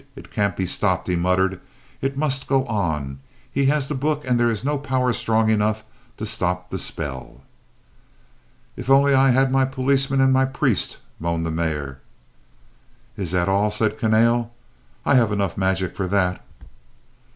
"It can't be stopped," he muttered. "It must go on. He has the book and there is no power strong enough to stop the spell." "If I only had my policemen and my priest," moaned the Mayor. "Is that all?" said Kahnale. "I have enough magic for that."